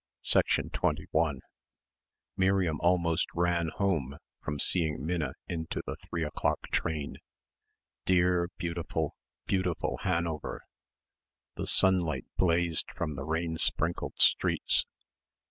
21 Miriam almost ran home from seeing Minna into the three o'clock train ... dear beautiful, beautiful Hanover ... the sunlight blazed from the rain sprinkled streets.